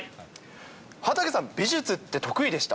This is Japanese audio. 畠さん、美術って得意でした？